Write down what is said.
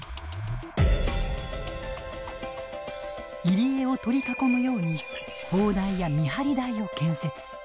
入り江を取り囲むように砲台や見張り台を建設。